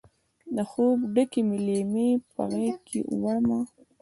د خوب ډکې مې لیمې په غیږکې وړمه